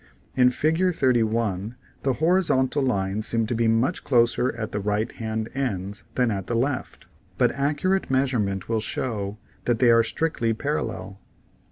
In Fig. 31 the horizontal lines seem to be much closer at the right hand ends than at the left, but ILLUSIONS OF THE SENSES 155 accurate measurement will show that they are strictly parallel.